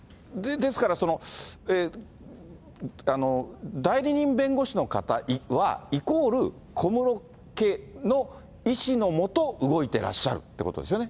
ですから、代理人弁護士の方は、イコール小室家の意思の下、動いてらっしゃるということですよね。